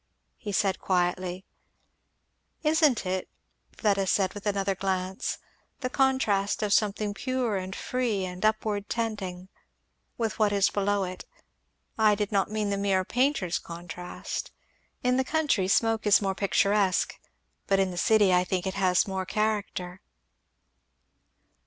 he said quietly. "Isn't it," said Fleda with another glance, "the contrast of something pure and free and upward tending, with what is below it. I did not mean the mere painter's contrast. In the country smoke is more picturesque, but in the city I think it has more character."